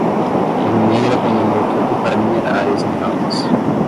O mineiro abandonou tudo para minerar esmeraldas.